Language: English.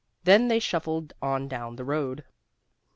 Then they shuffled on down the road.